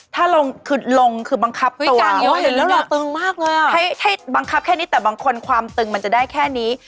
ถ้าลงคือลงคือบังคับให้บังคับแค่นี้แต่บางคนความตึงมันจะได้แค่นี้